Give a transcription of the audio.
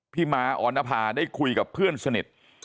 ม้าออนภาได้คุยกับเพื่อนสนิท